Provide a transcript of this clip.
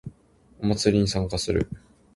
お祭りに参加する